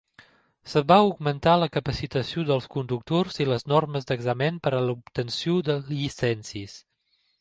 Es va augmentar la capacitació dels conductors i les normes d'examen per a l'obtenció de llicències.